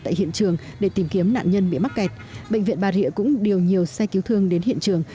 tại hiện trường để tìm kiếm nạn nhân bị mắc kẹt bệnh viện bà rịa cũng điều nhiều xe cứu thương đến hiện trường